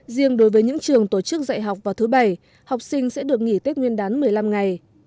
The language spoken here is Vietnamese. riêng đối với những trường tổ chức dạy học vào thứ bảy học sinh sẽ được nghỉ tết nguyên đán một mươi năm ngày